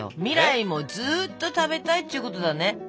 未来もずーっと食べたいっちゅうことだね。